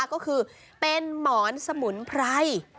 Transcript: ก็คือเป็นหมอนสมุนไพร